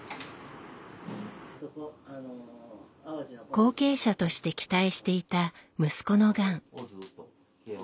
後継者として期待していた息子のがん。